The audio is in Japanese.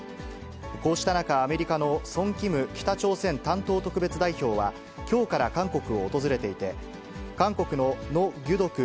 こうした中、アメリカのソン・キム北朝鮮担当特別代表は、きょうから韓国を訪れていて、韓国のノ・ギュドク